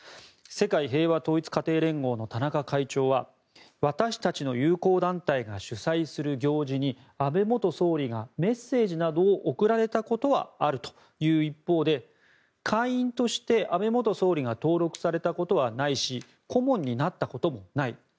世界平和統一家庭連合の田中会長は私たちの友好団体が主催する行事に安倍元総理がメッセージなどを送られたことはあるという一方で会員として安倍元総理が登録されたことはないし顧問になったこともない。